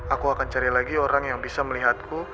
aku akan cari lagi orang yang bisa melihatku